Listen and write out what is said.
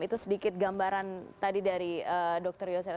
itu sedikit gambaran tadi dari dr yosera